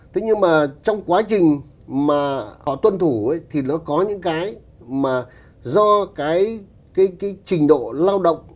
thế nhưng mà trong quá trình mà họ tuân thủ thì nó có những cái mà do cái trình độ lao động